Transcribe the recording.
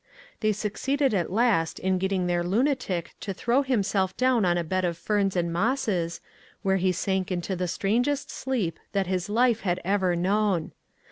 They succeeded at last in getting their lunatic to throw himself down on a bed of ferns and mosses, where he sank into the strangest sleep that his life had ever known.